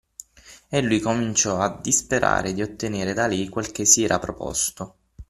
E lui cominciò a disperare di ottenere da lei quel che si era proposto.